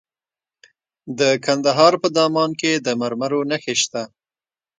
د کندهار په دامان کې د مرمرو نښې شته.